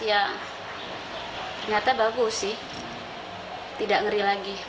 ya ternyata bagus sih tidak ngeri lagi